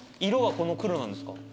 色はこの黒なんですか？